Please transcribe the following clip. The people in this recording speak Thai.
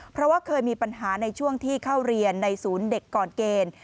เพราะว่าเคยมีปัญหาในช่วงที่เข้าเรียนในศูนย์เด็กก่อนเกณฑ์